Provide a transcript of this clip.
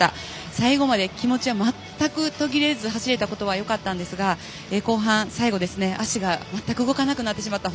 最後まで気持ちは全く途切れず走れたことはよかったんですが、後半最後は足が全く動かなくなってしまった。